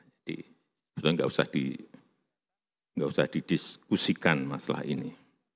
jadi kita enggak usah didiskusikan masalah ini